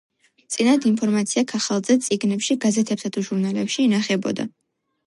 წინათ ინფორმაცია ქაღალდზე - წიგნებში, გაზეთებსა თუ ჟურნალებში ინახებოდა